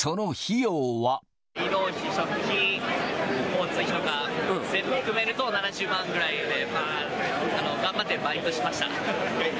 移動費、食費、交通費とか全部含めると、７０万ぐらいで、頑張ってバイトしました。